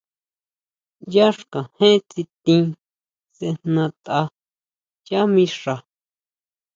Yá xkajén tsitin sejnatʼa yá mixa.